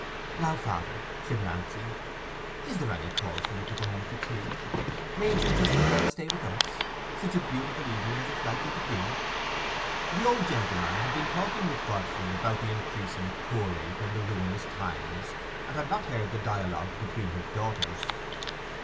"Now, father," said Nancy, "is there any call for you to go home to tea? Mayn't you just as well stay with us?—such a beautiful evening as it's likely to be." The old gentleman had been talking with Godfrey about the increasing poor rate and the ruinous times, and had not heard the dialogue between his daughters.